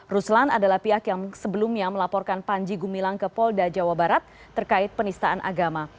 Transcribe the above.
ruslan adalah pihak yang sebelumnya melaporkan panji gumilang ke polda jawa barat terkait penistaan agama